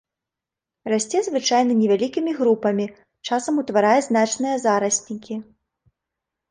Расце звычайна невялікімі групамі, часам утварае значныя зараснікі.